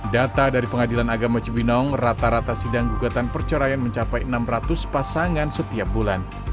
data dari pengadilan agama cibinong rata rata sidang gugatan perceraian mencapai enam ratus pasangan setiap bulan